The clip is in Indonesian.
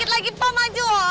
dikit lagi pak maju